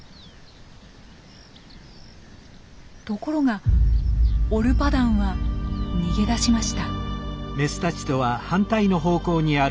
ところがオルパダンは逃げ出しました。